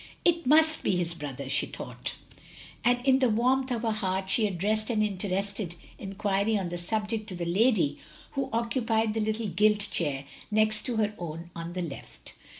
It must be his brother, she thought, and in the warmth of her heart she addressed an interested enquiry on the subject to the lady who occupied the little gilt chair next to her own, on the left.